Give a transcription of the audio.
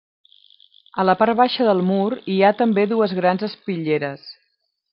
A la part baixa del mur hi ha també dues grans espitlleres.